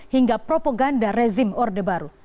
hingga propaganda rezim orde baru